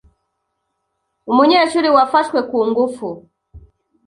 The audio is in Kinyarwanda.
umunyeshuri wafashwe ku ngufu